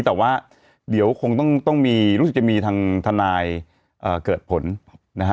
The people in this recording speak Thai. แต่ว่าเดี๋ยวคงต้องมีรู้สึกจะมีทางทนายเกิดผลนะฮะ